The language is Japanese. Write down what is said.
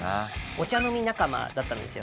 お茶飲み仲間だったんですよ